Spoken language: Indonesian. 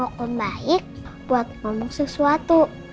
tunggu om baik buat ngomong sesuatu